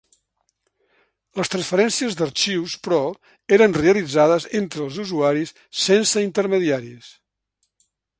Les transferències d'arxius, però, eren realitzades entre els usuaris sense intermediaris.